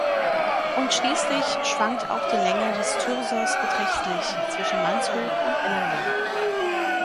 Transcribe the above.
Und schließlich schwankt auch die Länge des Thyrsos beträchtlich zwischen mannshoch und ellenlang.